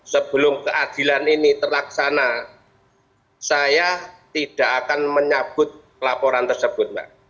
sebelum keadilan ini terlaksana saya tidak akan menyambut laporan tersebut mbak